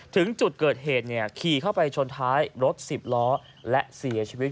ถึงจุดเกิดเหตุขี่เข้าไปชนท้ายรถสิบล้อและเสียชีวิต